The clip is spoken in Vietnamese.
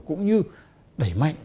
cũng như đẩy mạnh